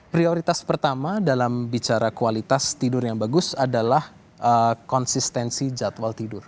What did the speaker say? prioritas pertama dalam bicara kualitas tidur yang bagus adalah konsistensi jadwal tidur